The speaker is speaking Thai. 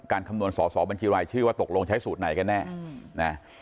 คำนวณสอสอบัญชีรายชื่อว่าตกลงใช้สูตรไหนกันแน่นะ